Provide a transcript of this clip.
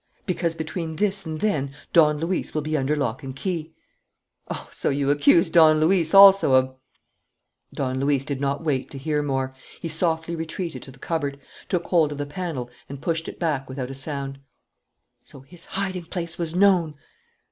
"Because between this and then Don Luis will be under lock and key." "Oh, so you accuse Don Luis also of " Don Luis did not wait to hear more. He softly retreated to the cupboard, took hold of the panel and pushed it back without a sound. So his hiding place was known!